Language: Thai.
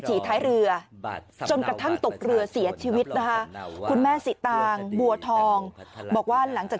ท้ายเรือจนกระทั่งตกเรือเสียชีวิตนะคะคุณแม่สิตางบัวทองบอกว่าหลังจาก